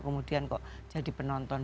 kemudian kok jadi penonton